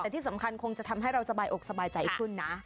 แต่ที่สำคัญคงจะทำให้เราสบายอกสบายใจขึ้นนะ